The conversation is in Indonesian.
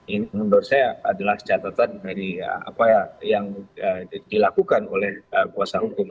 ini menurut saya adalah catatan dari apa yang dilakukan oleh kuasa hukum